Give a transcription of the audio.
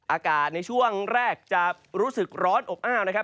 อากาศในช่วงแรกจะรู้สึกร้อนอบอ้าวนะครับ